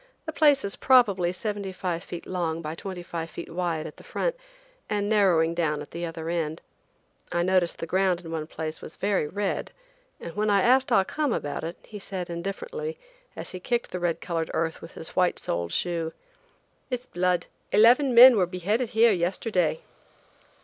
The place is probably seventy five feet long by twenty five wide at the front, and narrowing down at the other end. I noticed the ground in one place was very red, and when I asked Ah Cum about it he said indifferently, as he kicked the red colored earth with his white souled shoe: "It's blood. Eleven men were beheaded here yesterday."